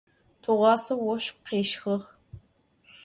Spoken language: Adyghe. Tığuase voşx khêşxığ.